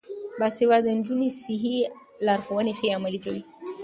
باسواده نجونې صحي لارښوونې ښې عملي کوي.